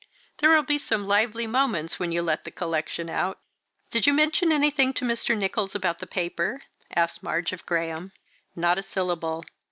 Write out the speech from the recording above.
There will be some lively moments when you let the collection out." "Did you mention anything to Mr. Nicholls about the paper?" asked Madge of Graham. "Not a syllable.